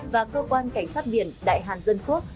và cơ quan cảnh sát biển đại hàn dân quốc